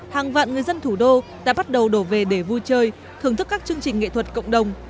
hàng vạn người dân thủ đô đã bắt đầu đổ về để vui chơi thưởng thức các chương trình nghệ thuật cộng đồng